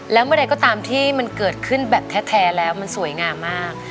แล้วเมื่อใดก็ตามที่มันเกิดขึ้นแบบแท้แล้วมันสวยงามมาก